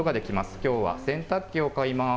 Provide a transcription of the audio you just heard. きょうは洗濯機を買います。